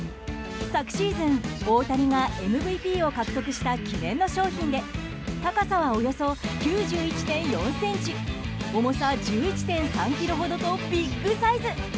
昨シーズン大谷がＭＶＰを獲得した記念の商品で高さはおよそ９１．４ｃｍ重さ１１．３ｋｇほどとビッグサイズ。